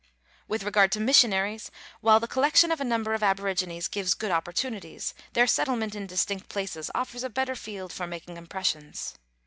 With regard to missionaries : While the collection of a number of aborigines gives good opportunities, their settlement in distinct places offers a better field for making impressions.